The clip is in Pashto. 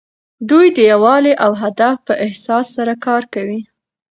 دوی د یووالي او هدف په احساس سره کار کوي.